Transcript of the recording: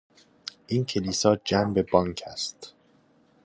این کلیسا جَنب بانک است.